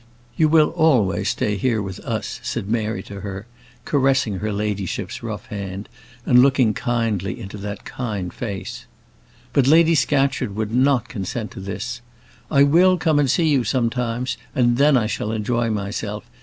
"You will always stay here with us," said Mary to her, caressing her ladyship's rough hand, and looking kindly into that kind face. But Lady Scatcherd would not consent to this. "I will come and see you sometimes, and then I shall enjoy myself.